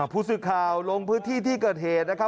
ผู้สึกคาวลงพื้นที่ที่เกิดเหตุครับ